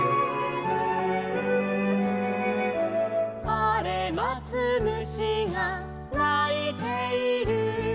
「あれまつ虫がないている」